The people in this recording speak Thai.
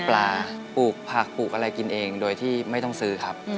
ปลาปลูกผักปลูกอะไรกินเองโดยที่ไม่ต้องซื้อครับ